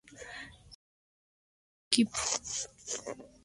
Ellos formaron parte del equipo de escritores de "Scary Movie" y "Spy Hard".